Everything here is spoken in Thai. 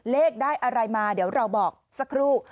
เลขได้อะไรมาเดี๋ยวเราบอกสักครู่